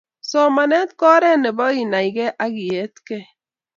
Somanet ko oret nebo inaigei ak ietkei